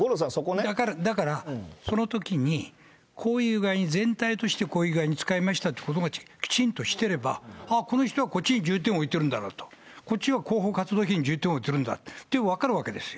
だから、そのときに、こういう具合に、全体としてこういう具合に使いましたということを、きちんとしてれば、あっ、この人はこっちに重点置いてるんだなと、こっちは広報活動費に重点を置いてるんだって、分かるわけですよ。